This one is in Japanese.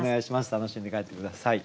楽しんで帰って下さい。